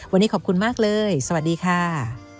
วันนี้ขอบคุณมากเลยสวัสดีค่ะ